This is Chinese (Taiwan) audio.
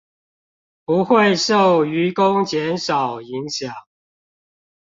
不會受漁工減少影響